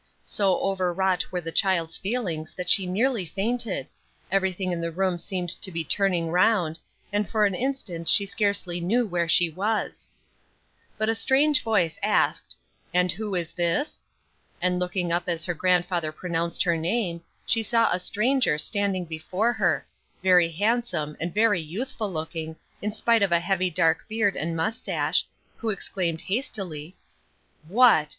So over wrought were the child's feelings that she nearly fainted; everything in the room seemed to be turning round, and for an instant she scarcely knew where she was. But a strange voice asked, "And who is this?" and looking up as her grandfather pronounced her name, she saw a stranger standing before her very handsome, and very youthful looking, in spite of a heavy dark beard and mustache who exclaimed hastily, "What!